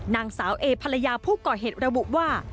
นางสาวเอภรรยาผู้ก่อเหตุระบุว่า